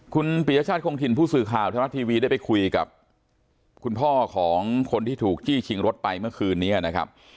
คุณปียชาติคงถิ่นผู้สื่อข่าวไทยรัฐทีวีได้ไปคุยกับคุณพ่อของคนที่ถูกจี้ชิงรถไปเมื่อคืนนี้นะครับ